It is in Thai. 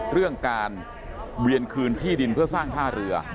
เรื่องการเวียนคืนที่ดินเพื่อสร้างท่าเรือ